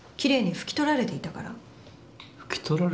拭き取られていた？